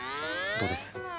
どうです？